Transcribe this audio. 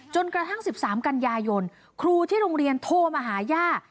กระทั่ง๑๓กันยายนครูที่โรงเรียนโทรมาหาย่า